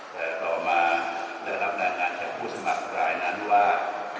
แต่ต่อมาได้รับรายงานจากผู้สมัครรายนั้นว่า